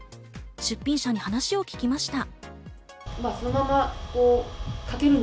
出品者に話を聞きました。